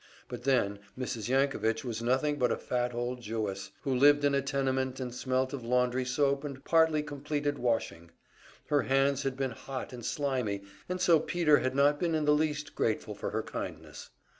But then, Mrs. Yankovich was nothing but a fat old Jewess, who lived in a tenement and smelt of laundry soap and partly completed washing; her hands had been hot and slimy, and so Peter had not been in the least grateful for her kindness.